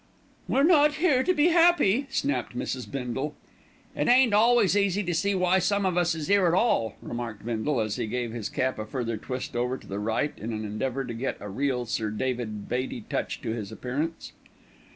"We're not here to be happy," snapped Mrs. Bindle. "It ain't always easy to see why some of us is 'ere at all," remarked Bindle, as he gave his cap a further twist over to the right in an endeavour to get a real Sir David Beatty touch to his appearance.